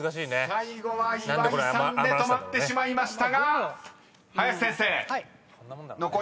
［最後は岩井さんで止まってしまいましたが林先生残り２つ］